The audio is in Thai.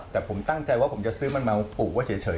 แต่ผมตั้งใจว่าผมจะซื้อมันมาปลูกไว้เฉย